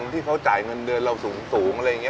ที่เขาจ่ายเงินเดือนเราสูงอะไรอย่างนี้